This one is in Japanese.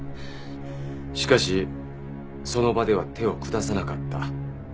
しかしその場では手を下さなかった。